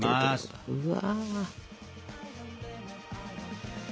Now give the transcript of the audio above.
うわ。